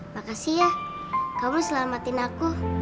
makasih ya kamu selamatin aku